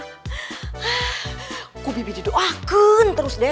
kukubibi didoakan terus den ya